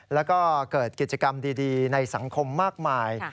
แล้วก็เกิดกิจกรรมดีในสังคมมากมาย